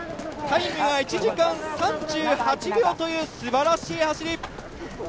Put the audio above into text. タイムが１時間３８秒というすばらしい走り。